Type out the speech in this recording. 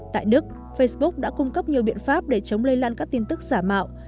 tại đức facebook đã cung cấp nhiều biện pháp để chống lây lan các tin tức giả mạo